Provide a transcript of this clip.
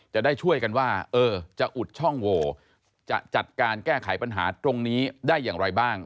จะได้ช่วยกันว่าเออจะอุดช่องโหวจะจัดการแก้ไขปัญหาตรงนี้ได้อย่างไรบ้าง